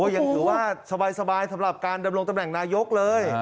ยังถือว่าสบายสำหรับการดำรงตำแหน่งนายกเลย